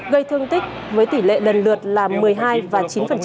gây thương tích với tỉ lệ đần lượt là một mươi hai và ba